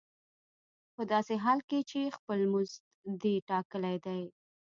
په داسې حال کې چې خپل مزد دې ټاکلی دی